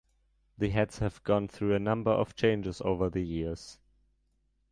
The heads have gone through a number of changes over the years.